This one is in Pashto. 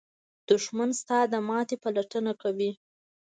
دښمن ستا د ماتې پلټنه کوي